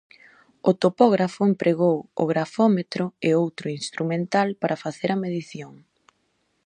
O topógrafo empregou o grafómetro e outro instrumental para facer a medición.